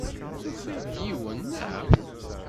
Tufid-d yiwen, naɣ?